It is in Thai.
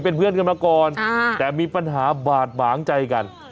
เป็นเพื่อนกันมาก่อนแต่มีปัญหาบาดหมางใจกัน